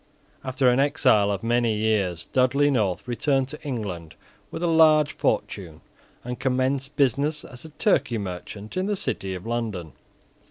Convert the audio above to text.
After an exile of many years, Dudley North returned to England with a large fortune, and commenced business as a Turkey merchant in the City of London.